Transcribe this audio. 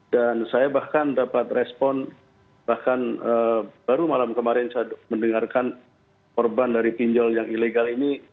dan saya bahkan dapat respon bahkan baru malam kemarin saya mendengarkan korban dari pinjol yang ilegal ini